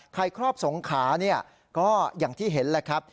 ครอบสงขาเนี่ยก็อย่างที่เห็นแหละครับ